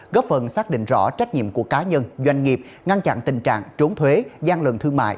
góp phần xác định rõ trách nhiệm của cá nhân doanh nghiệp ngăn chặn tình trạng trốn thuế gian lận thương mại